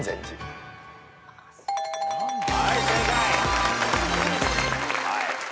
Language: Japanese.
はい正解。